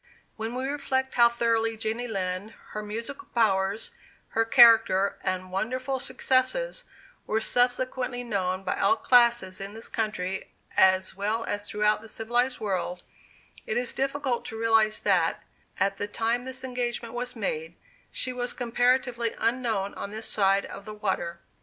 When we reflect how thoroughly Jenny Lind, her musical powers, her character, and wonderful successes, were subsequently known by all classes in this country as well as throughout the civilized world, it is difficult to realize that, at the time this engagement was made, she was comparatively unknown on this side the water.